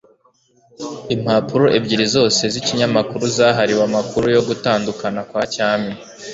Impapuro ebyiri zose zikinyamakuru zahariwe amakuru yo gutandukana kwa cyami